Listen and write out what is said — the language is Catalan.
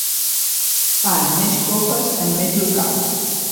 Fan més copes en més locals.